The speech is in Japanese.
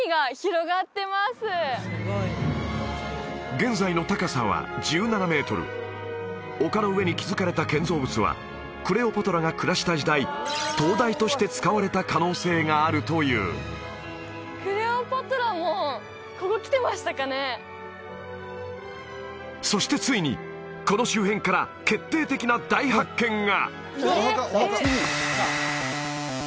現在の高さは１７メートル丘の上に築かれた建造物はクレオパトラが暮らした時代灯台として使われた可能性があるというそしてついにこの周辺から決定的な大発見が！